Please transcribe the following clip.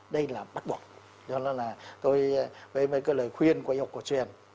do đó là tôi với mấy cái lời khuyên của y học cổ truyền